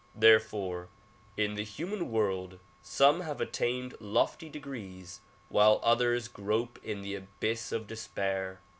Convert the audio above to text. Therefore in the human world some have attained lofty degrees while others grope in the abyss of despair.